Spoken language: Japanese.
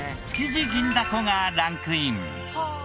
築地銀だこがランクイン。